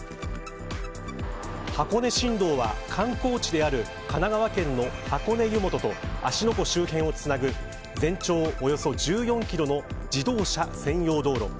箱根新道は、観光地である神奈川県の箱根湯本と芦ノ湖周辺をつなぐ全長およそ１４キロの自動車専用道路。